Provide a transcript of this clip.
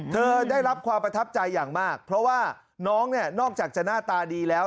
ได้รับความประทับใจอย่างมากเพราะว่าน้องเนี่ยนอกจากจะหน้าตาดีแล้ว